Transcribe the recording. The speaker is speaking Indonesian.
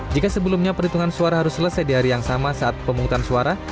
jika sebelumnya perhitungan suara harus selesai di hari yang sama saat pemungutan suara